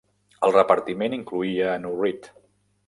El repartiment incloïa a Nourrit.